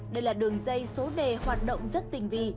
đây là đường dây số đề hoạt động rất tình vị